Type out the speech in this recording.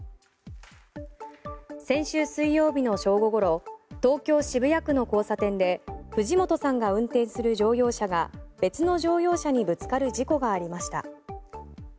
先週水曜日の正午ごろ東京・渋谷区の交差点で藤本さんが運転する乗用車が別の乗用車にぶつかる事故がありました。